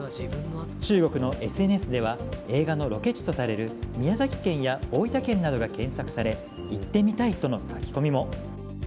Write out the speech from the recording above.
中国のＳＮＳでは映画のロケ地とされる宮崎県や大分県などが検索され行ってみたいとの書き込みも。